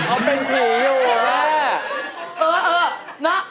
เอาเป็นผีอยู่นะ